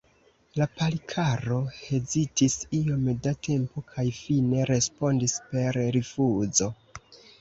La Palikaro hezitis iom da tempo kaj fine respondis per rifuzo.